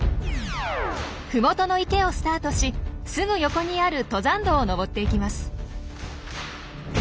麓の池をスタートしすぐ横にある登山道を登っていきます。